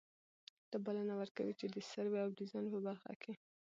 ته بلنه ور کوي چي د سروې او ډيزاين په برخه کي